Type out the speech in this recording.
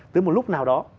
tới một lúc nào đó